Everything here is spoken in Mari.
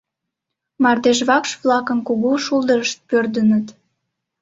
Мардеж вакш-влакын кугу шулдырышт пӧрдыныт.